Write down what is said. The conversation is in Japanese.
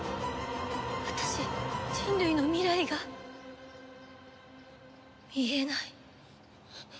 私人類の未来が見えない。